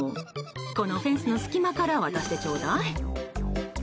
このフェンスの隙間から渡してちょうだい。